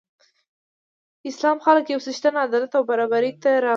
اسلام خلک یو څښتن، عدالت او برابرۍ ته رابلل.